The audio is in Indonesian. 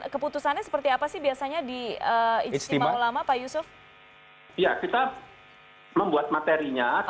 keputusannya seperti apa sih biasanya di ijtima ulama pak yusuf ya kita membuat materinya